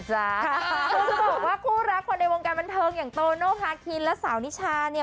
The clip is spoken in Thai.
จะบอกว่าคู่รักคนในวงการบันเทิงอย่างโตโนภาคินและสาวนิชาเนี่ย